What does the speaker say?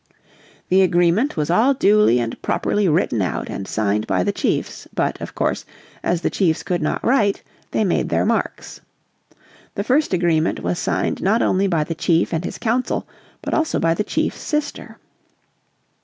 The agreement was all duly and properly written out and signed by the chiefs, but, of course, as the chiefs could not write they made their marks. The first agreement was signed not only by the chief and his council, but also by the chief's sister.